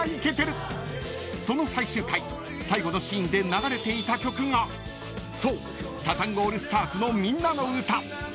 ［その最終回最後のシーンで流れていた曲がそうサザンオールスターズの『みんなのうた』］